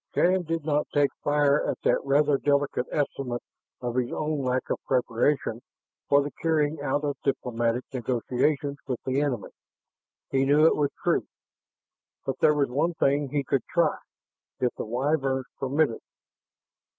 Shann did not take fire at that rather delicate estimate of his own lack of preparation for the carrying out of diplomatic negotiations with the enemy; he knew it was true. But there was one thing he could try if the Wyverns permitted.